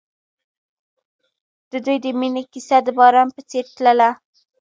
د دوی د مینې کیسه د باران په څېر تلله.